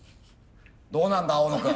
どうなんだ青野君。